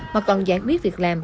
mà còn giải quyết việc làm